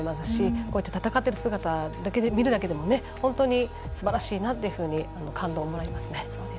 こうやって戦っている姿を見るだけでも本当にすばらしいなというふうに感動をもらいますね。